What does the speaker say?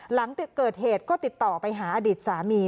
หลังเกิดเหตุก็ติดต่อไปหาอดีตสามี